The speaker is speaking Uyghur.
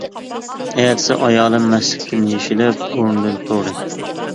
ئەتىسى ئايالىم مەستلىكتىن يېشىلىپ ئورنىدىن تۇردى.